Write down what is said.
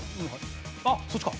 あっそっちか。